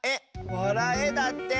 「わらえ」だって！